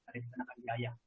tapi di peranakan biaya